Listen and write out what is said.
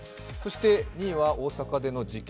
２位は大阪での事件。